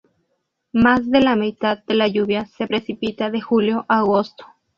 Más de la mitad de la lluvia se precipita de julio a agosto.